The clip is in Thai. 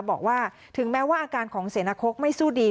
บอกว่าถึงแม้ว่าอาการของเสนาคกไม่สู้ดี